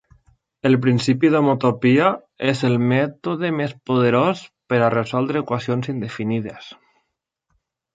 El principi de homotopia és el mètode més poderós per a resoldre equacions indefinides.